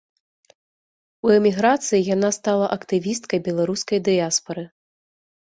У эміграцыі яна стала актывісткай беларускай дыяспары.